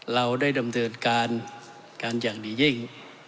เราได้ดำเนินการกันอย่างดียิ่ง